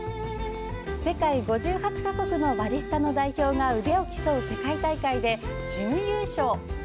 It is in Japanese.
世界５８か国のバリスタの代表が腕を競う世界大会で準優勝。